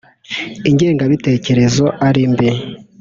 Ingengabitekererezo ari mbi